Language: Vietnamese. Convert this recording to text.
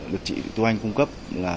được chị tu anh cung cấp